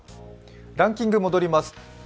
ランキング戻ります。